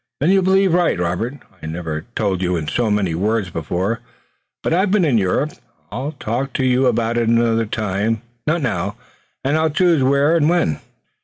"Then you believe right, Robert. I never told you in so many words before, but I've been in Europe. I'll talk to you about it another time, not now, and I'll choose where and when."